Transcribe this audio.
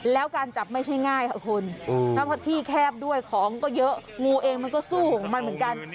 แล้วการจับไม่ใช่ง่ายค่ะคุณแล้วเพราะที่แคบด้วยของก็เยอะงูเองมันก็สู้ของมันเหมือนกัน